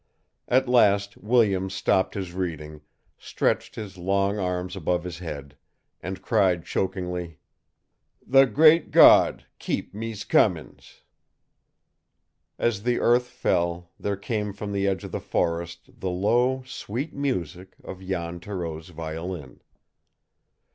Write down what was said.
At last Williams stopped his reading, stretched his long arms above his head, and cried chokingly: "The great God keep Mees Cummins!" As the earth fell, there came from the edge of the forest the low, sweet music of Jan Thoreau's violin.